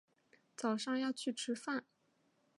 早上要去吃饭